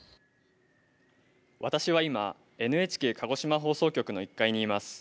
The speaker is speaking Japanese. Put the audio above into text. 私は今、ＮＨＫ鹿児島放送局の１階にいます。